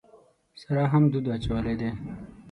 سارا هم دود اچولی دی.